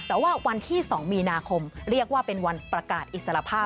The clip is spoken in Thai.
แต่ว่าวันที่๒มีนาคมเรียกว่าเป็นวันประกาศอิสระภาพ